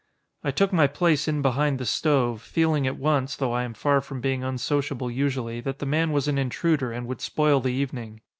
I took my place in behind the stove, feeling at once, though I am far from being unsociable usually, that the man was an intruder and would spoil the evening.